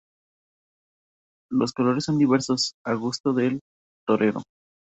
Los colores son diversos, a gusto del torero.